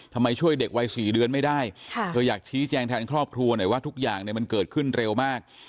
ทำไมช่วยเด็กวัย๔เดือนไม่ได้เธออยากชี้แจงแทนครอบครัวหน่อยว่าทุกอย่างมันเกิดขึ้นเร็วมาก